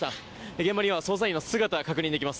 現場には捜査員の姿が確認できます。